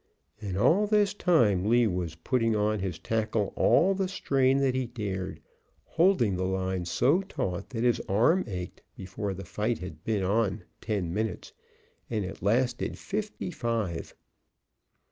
And all this time, Lee was putting on his tackle all the strain that he dared, holding the line so taut that his arm ached before the fight had been on ten minutes and it lasted fifty five.